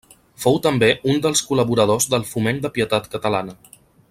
Fou també un dels col·laboradors del Foment de Pietat Catalana.